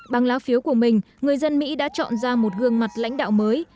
bằng lá phiếu của mình người dân mỹ đã chọn ra một gương mặt lãnh đạo mới